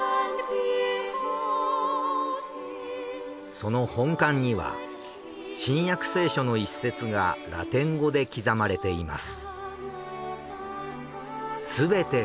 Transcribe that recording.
その本館には『新約聖書』の一節がラテン語で刻まれています。